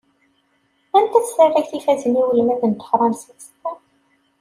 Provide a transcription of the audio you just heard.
Anta-tt tarrayt ifazen i ulmad n tefransist?